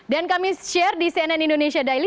dan kami share di cnn indonesia daily